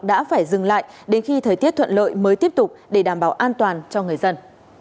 đã phải dừng lại đến khi thời tiết thuận lợi mới tiếp tục để đảm bảo an toàn cho người dân